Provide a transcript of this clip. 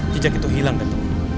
jejak itu hilang tentu